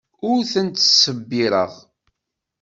Ur tent-ttṣebbireɣ.